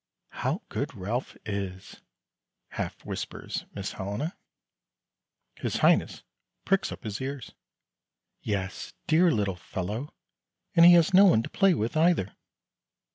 "How good Ralph is!" half whispers Miss Helena. His Highness pricks up his ears. "Yes, dear little fellow; and he has no one to play with, either."